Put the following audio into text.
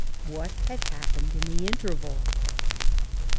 What had happened in the interval